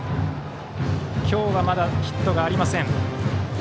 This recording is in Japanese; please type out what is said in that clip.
今日はまだヒットがありません。